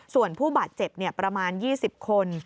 ส่วนผู้บาดเจ็บประมาณ๒๐คน